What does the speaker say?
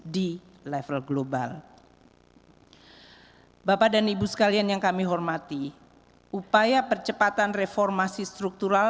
di level global bapak dan ibu sekalian yang kami hormati upaya percepatan reformasi struktural